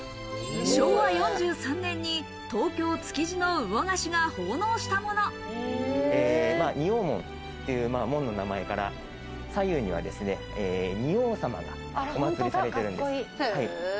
昭和４３年に東京・築地の魚河岸が奉納し仁王門という門の名前から左右には仁王様がおまつりされているんです。